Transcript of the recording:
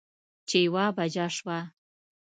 چې يوه بجه شوه